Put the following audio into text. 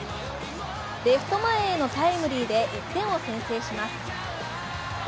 レフト前へのタイムリーで１点を先制します。